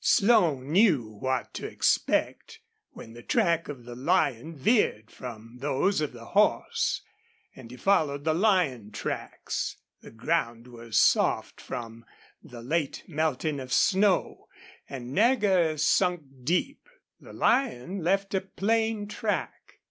Slone knew what to expect when the track of the lion veered from those of the horse, and he followed the lion tracks. The ground was soft from the late melting of snow, and Nagger sunk deep. The lion left a plain track.